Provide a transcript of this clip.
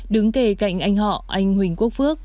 đứng kề cạnh anh họ anh huỳnh quốc phước